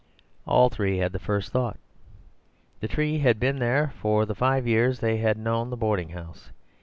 All three had the first thought. The tree had been there for the five years they had known the boarding house.